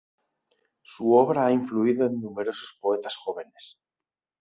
Su obra ha influido en numerosos poetas jóvenes.